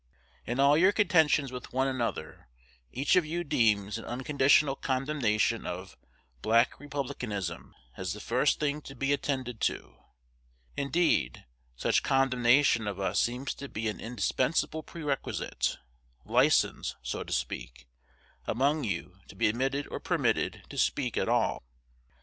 In all your contentions with one another, each of you deems an unconditional condemnation of "Black Republicanism" as the first thing to be attended to. Indeed, such condemnation of us seems to be an indispensable prerequisite license, so to speak among you to be admitted or permitted to speak at all.